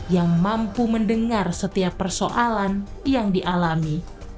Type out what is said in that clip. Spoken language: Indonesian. yang mampu mendengar setiap persoalan yang dialami